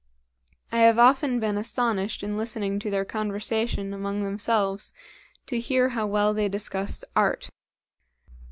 I have often been astonished in listening to their conversation among themselves to hear how well they discussed art.